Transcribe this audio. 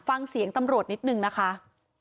ฟังเสียงตำรวจนิดนึงนะคะ